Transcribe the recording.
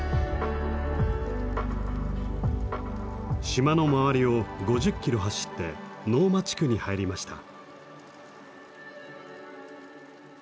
島の周りを５０キロ走って苗羽地区に入りました。